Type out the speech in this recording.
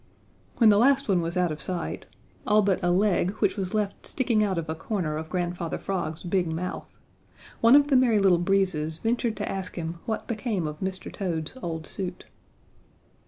When the last one was out of sight, all but a leg which was left sticking out of a corner of Grandfather Frog's big mouth, one of the Merry Little Breezes ventured to ask him what became of Mr. Toad's old suit.